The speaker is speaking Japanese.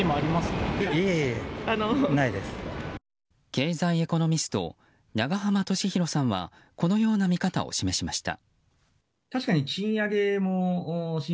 経済エコノミスト永濱利廣さんはこのような見方を示しました。